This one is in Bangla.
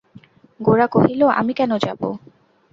গোরা কহিল, আমি কেন যাব!